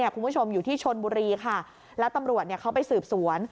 คุณผู้ชมอยู่ที่ชนบุรีค่ะแล้วตำรวจเขาไปสืบสวน